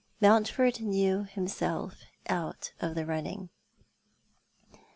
Monntford knew himself out of the running.